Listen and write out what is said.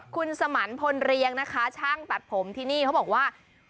คุณสมันพลเรียงนะคะช่างตัดผมที่นี่เขาบอกว่า